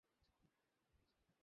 তোমার পক্ষে বলা সহজ।